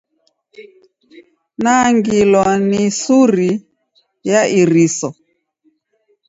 Nangilwa ni suri ya iriso.